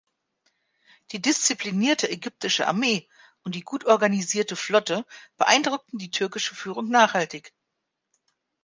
Die disziplinierte ägyptische Armee und die gut organisierte Flotte beeindruckten die türkische Führung nachhaltig.